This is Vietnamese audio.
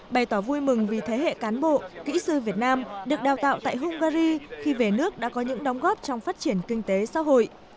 bày tỏ vui mừng vì thế hệ cán bộ kỹ sư việt nam được đào tạo tại hungary khi về nước đã có những đóng góp trong phát triển kinh tế xã hội